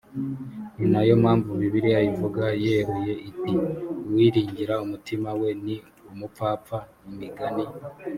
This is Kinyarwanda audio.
ni na yo mpamvu bibiliya ivuga yeruye iti uwiringira umutima we ni umupfapfa imigani